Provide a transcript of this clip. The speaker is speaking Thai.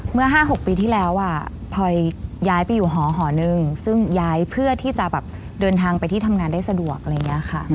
เมื่อ๕๖ปีที่แล้วพลอยย้ายไปอยู่หอนึงซึ่งย้ายเพื่อที่จะแบบเดินทางไปที่ทำงานได้สะดวกอะไรอย่างนี้ค่ะ